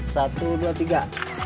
satu dua tiga